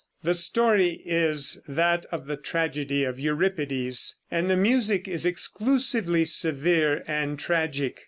The story is that of the tragedy of Euripides, and the music is exclusively severe and tragic.